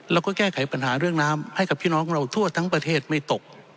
แล้วก็แก้ไขปัญหาเรื่องน้ำให้กับพี่น้องเราทั่วทั้งประเทศไม่ตก